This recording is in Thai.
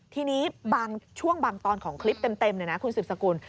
ทีนี้บางช่วงบางตอนของคลิปเต็มเลยนะคุณสืบสกุล